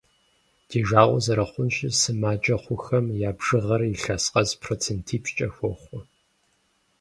Ди жагъуэ зэрыхъунщи, сымаджэ хъухэм я бжыгъэр илъэс къэс процентипщӏкӏэ хохъуэ.